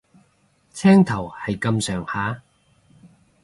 青頭係咁上下